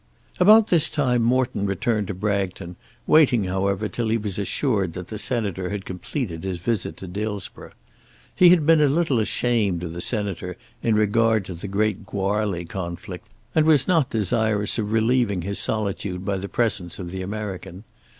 About this time Morton returned to Bragton, waiting however till he was assured that the Senator had completed his visit to Dillsborough. He had been a little ashamed of the Senator in regard to the great Goarly conflict and was not desirous of relieving his solitude by the presence of the American.